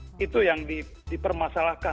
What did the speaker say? hmm itu yang dipermasalahkan